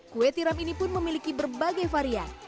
kue tiram ini pun memiliki berbagai varian